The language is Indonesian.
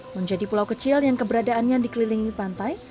menjadi pulau kecil yang keberadaannya dikelilingi pantai